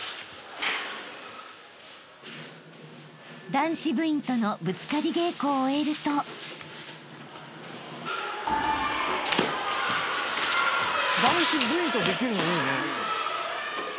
［男子部員とのぶつかり稽古を終えると］男子部員とできるのいいね。